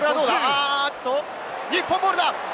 日本ボールだ！